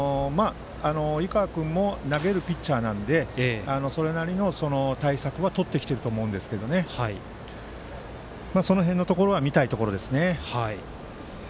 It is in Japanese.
井川君も投げるピッチャーなのでそれなりの対策はとってきていると思いますがその辺は見たいところですね。